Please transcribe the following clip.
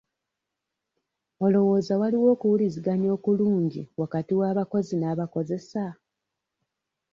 Olowooza waliwo okuwuliziganya okulungi wakati w'abakozi n'abakozesa?